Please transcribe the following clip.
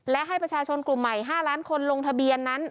และให้ประชาชนกลุ่มใหม่๕ล้านคนลงทะเบียนนั้น